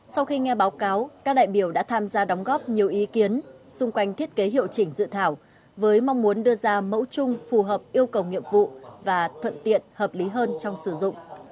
sau khi nghe báo cáo các đại biểu đã tham gia đóng góp nhiều ý kiến xung quanh thiết kế hiệu chỉnh dự thảo với mong muốn đưa ra mẫu chung phù hợp yêu cầu nghiệp vụ và thuận tiện hợp lý hơn trong sử dụng